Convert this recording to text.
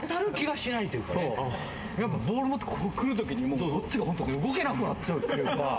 ボール持って来る時にこっちが本当に動けなくなっちゃうっていうか。